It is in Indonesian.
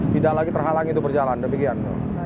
tidak lagi terhalangi itu berjalan